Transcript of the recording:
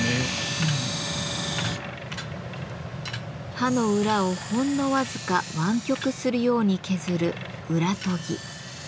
刃の裏をほんの僅か湾曲するように削る「裏研ぎ」。